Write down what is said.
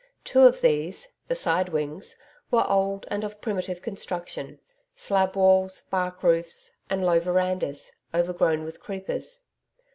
Two of these the side wings were old and of primitive construction slab walls, bark roofs, and low verandas, overgrown with creepers.